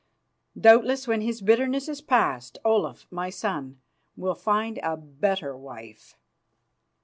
Doubtless, when his bitterness is past, Olaf, my son, will find a better wife."